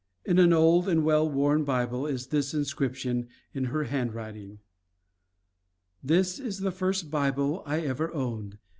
In an old and well worn Bible is this inscription in her handwriting: "This is the first Bible I ever owned.